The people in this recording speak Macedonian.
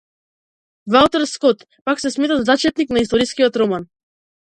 Валтер Скот, пак, се смета за зачетник на историскиот роман.